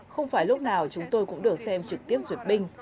không phải lúc nào chúng tôi cũng được xem trực tiếp duyệt binh